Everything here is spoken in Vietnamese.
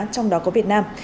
trong đó có việt nam